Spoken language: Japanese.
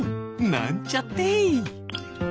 なんちゃって。